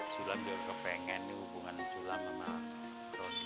sula udah kepengen dihubungan sula sama mariam